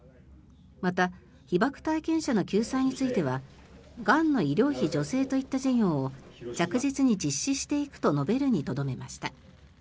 また、被爆体験者の救済についてはがんの医療費助成といった事業を着実に実施していくと述べるにとどめました。